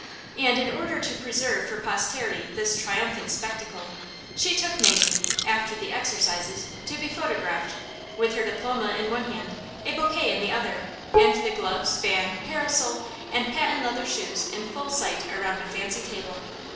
And in order to preserve for posterity this triumphant spectacle, she took Mamie, after the exercises, to be photographed, with her diploma in one hand, a bouquet in the other, and the gloves, fan, parasol, and patent leather shoes in full sight around a fancy table.